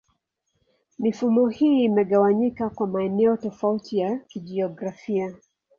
Mifumo hii imegawanyika kwa maeneo tofauti ya kijiografia.